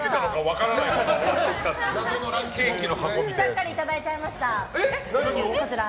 ちゃっかりいただいちゃいました、こちら。